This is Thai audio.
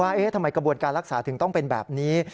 ว่าทำไมกระบวนการรักษาถึงต้องเป็นแบบนี้